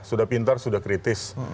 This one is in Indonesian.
sudah pintar sudah kritik